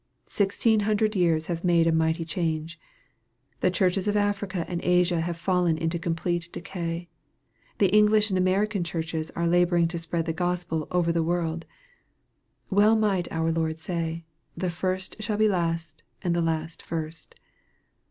Sixteen hundred years have made a mighty change. The churches of Africa and Asia have fallen into complete decay. The English and American churches are laboring to spread the Gos pel over the world. Well might our Lord say, "the first shall be last, and the last first."